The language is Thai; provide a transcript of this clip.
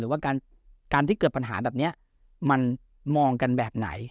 ว่าการที่เกิดปัญหาแบบนี้มันมองกันแบบไหน